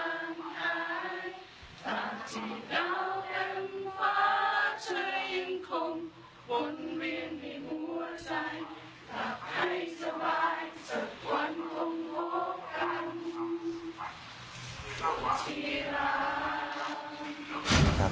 สักวันคงพบกันสุธิรัม